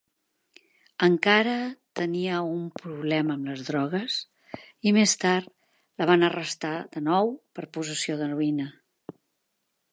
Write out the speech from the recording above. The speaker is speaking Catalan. Encara tenia un problema amb les drogues, i més tard la van arrestar de nou per possessió d'heroïna.